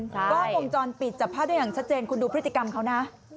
ใส่มือนึงเส้น